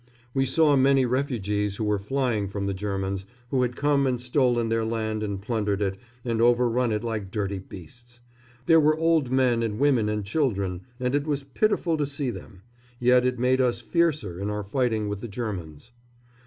We saw many refugees who were flying from the Germans, who had come and stolen their land and plundered it and overrun it like dirty beasts. There were old men and women and children, and it was pitiful to see them; yet it made us fiercer in our fighting with the Germans.